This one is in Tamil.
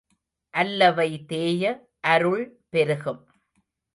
அல்லவை தேய அருள் பெருகும்.